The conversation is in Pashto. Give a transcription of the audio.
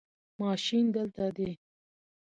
ماشین دلته دی